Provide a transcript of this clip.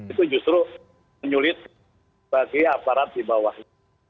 itu justru menyulit bagi aparat di bawahnya